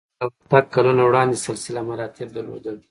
کرنې ته له ورتګ کلونه وړاندې سلسله مراتب درلودل